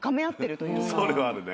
それはあるね。